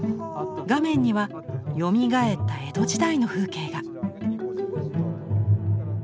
画面にはよみがえった江戸時代の風景が。